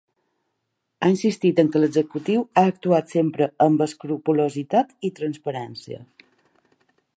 Ha insistit que l’executiu ha actuat ‘sempre’ amb escrupolositat i transparència.